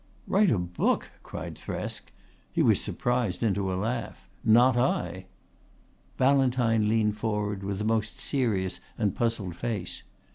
"Write a book!" cried Thresk. He was surprised into a laugh. "Not I." Ballantyne leaned forward with a most serious and puzzled face.